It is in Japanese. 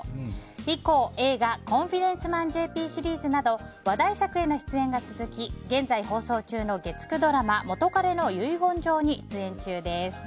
以降、映画「コンフィデンスマンＪＰ」シリーズなど話題作への出演が続き現在放送中の月９ドラマ「元彼の遺言状」に出演中です。